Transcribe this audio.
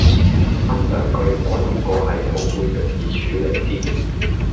分兩句可能個系統會容易處理啲